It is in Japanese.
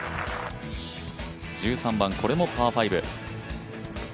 １３番、これもパー５。